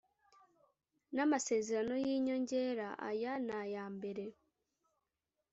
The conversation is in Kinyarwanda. n amasezerano y inyongera aya n aya mbere